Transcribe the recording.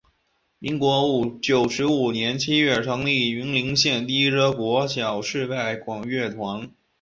民国九十五年七月成立云林县第一支国小室外管乐团。